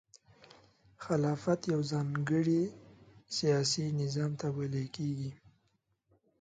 خلافت یو ځانګړي سیاسي نظام ته ویل کیږي.